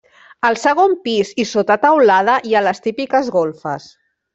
Al segon pis, i sota teulada, hi ha les típiques golfes.